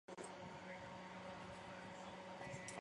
不能回复原状